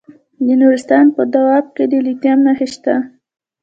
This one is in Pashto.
د نورستان په دو اب کې د لیتیم نښې شته.